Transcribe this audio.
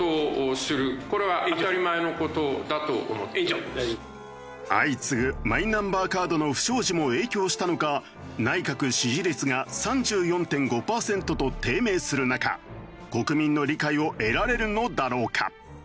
庁としてはまず相次ぐマイナンバーカードの不祥事も影響したのか内閣支持率が３４．５パーセントと低迷する中国民の理解を得られるのだろうか。